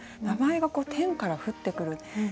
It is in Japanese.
名前が天から降ってくる。